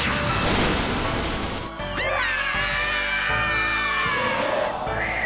うわ！